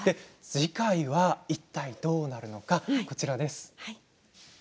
次回はどうなるのか、こちらです。